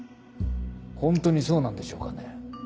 ホントにそうなんでしょうかね？